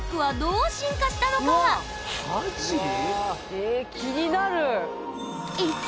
え気になる！